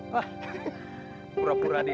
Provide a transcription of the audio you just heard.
wah pura pura dia